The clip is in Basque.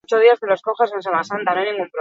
Egun osoa ematen dut irekitako lehioak ixten!